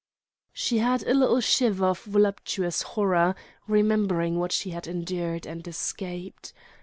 She had a little shiver of voluptuous horror, remembering what she had endured and escaped.